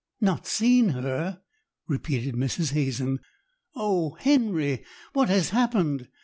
"Not seen her!" repeated Mrs. Hazen. "O Henry, what has happened?